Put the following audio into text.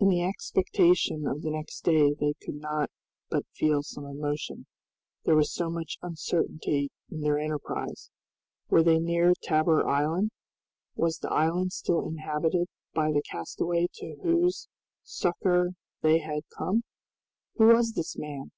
In the expectation of the next day they could not but feel some emotion. There was so much uncertainty in their enterprise! Were they near Tabor Island? Was the island still inhabited by the castaway to whose succor they had come? Who was this man?